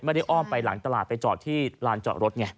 อ้อมไปหลังตลาดไปจอดที่ลานจอดรถไง